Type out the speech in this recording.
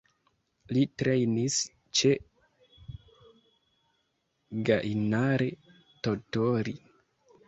Li trejnis ĉe Gainare Tottori.